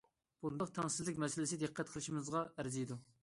بۇنداق تەڭسىزلىك مەسىلىسى دىققەت قىلىشىمىزغا ئەرزىيدۇ.